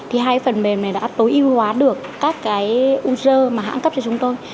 hai phần mềm này đã tối ưu hóa được các cái user mà hãng cấp cho chúng tôi